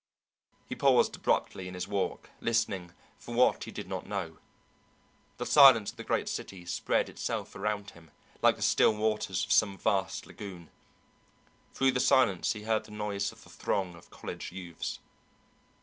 He paused abruptly in his walk, listening, for what he did not know. The silence of the great city spread itself around him, like the still waters of some vast lagoon. Through the silence he heard the noise of the throng of college youths.